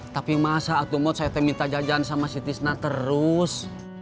tapi masa waktu saya minta jajan sama si tisnak terus